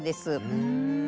ふん。